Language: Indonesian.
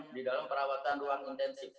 di dalam perawatan ruang intensif